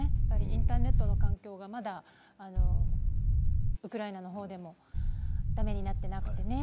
インターネットの環境がまだウクライナのほうでもだめになっていなくてね。